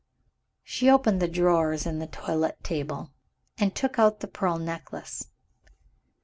She opened one of the drawers in the toilette table, and took out the pearl necklace.